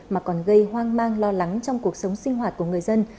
mà còn gây hoang mang lo lắng trong cuộc sống sinh hoạt của người dân